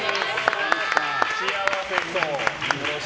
幸せそう。